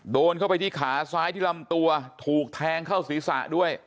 โดนเข้าไปที่ขาซ้ายที่ลำตัวถูกแทงเข้าศีรษะด้วย